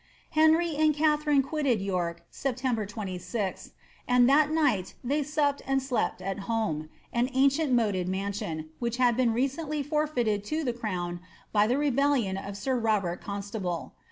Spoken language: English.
Henry and Katharine quitted York, September 26, and that night they supped and slept at Holme,' an ancient moated mansion, which had been recently forfeited to the crown by the rebellion of sir Robert Constable.